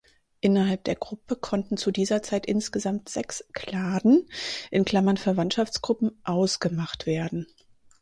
Innerhalb der Gruppe konnten zu dieser Zeit insgesamt sechs Kladen (Verwandtschaftsgruppen) ausgemacht werden.